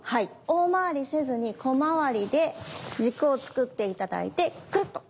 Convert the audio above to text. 大回りせずに小回りで軸を作って頂いてくるっと。